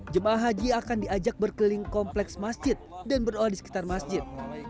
jemaah haji akan diajak berkeliling kompleks masjid dan berdoa di sekitar masjid